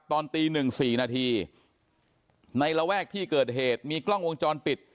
ตอนตีหนึ่งสี่นาทีในระแวกที่เกิดเหตุมีกล้องวงจรปิด